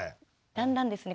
だんだんですね